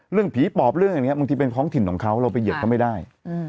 เรื่องผีปอบเรื่องอย่างนี้บางทีเป็นท้องถิ่นของเขาเราไปเหยียบเขาไม่ได้